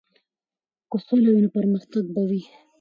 که سوله وي نو پرمختګ به وي.